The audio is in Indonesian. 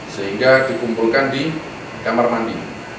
sehingga dikumpulkan di kamar mandi